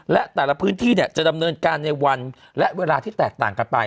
และแต่ละพื้นที่จะดำเนินการในวันและเวลาที่แตกต่างกันไป